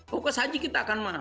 hukum haji kita akan mahal